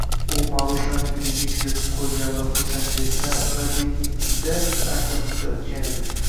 U Marushani uyiga kuzatib qoʻygan va xursandchilikdan Radiknikida ancha-muncha otgan edi.